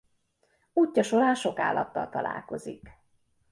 Útja során sok állattal találkozik.